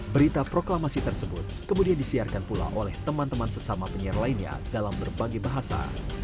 berita proklamasi tersebut kemudian disiarkan pula oleh teman teman sesama penyiar lainnya dalam berbagai bahasa